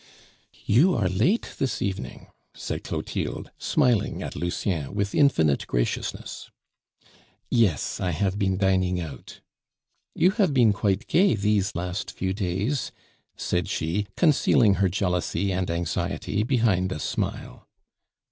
"You are late this evening," said Clotilde, smiling at Lucien with infinite graciousness. "Yes, I have been dining out." "You have been quite gay these last few days," said she, concealing her jealousy and anxiety behind a smile.